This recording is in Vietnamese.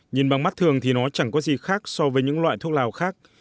nhìn bằng mắt thường thì nó chẳng có gì khác so với những loại thuốc lào khác